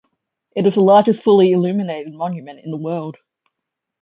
It is the largest fully illuminated monument in the world.